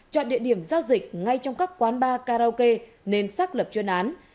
chọn địa điểm giao dịch ngay trong các quán bar karaoke nên xác lập chuyên án